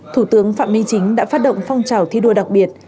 thủ tướng phạm minh chính đã phát động phong trào thi đua đặc biệt